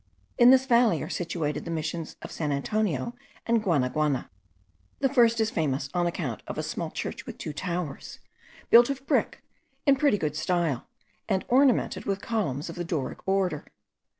In this valley are situated the Missions of San Antonio and Guanaguana; the first is famous on account of a small church with two towers, built of brick, in pretty good style, and ornamented with columns of the Doric order.